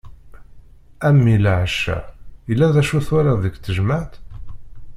A mmi leɛca! yella d acu twalaḍ deg tejmaɛt?